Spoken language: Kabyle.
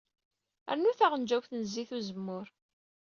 Rnu taɣenjayt n zzit n uzemmur.